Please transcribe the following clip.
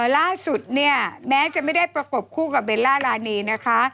ล่าสุดเนี่ยแม้จะไม่ได้ประกบคู่กับเบลล่ารานีนะคะ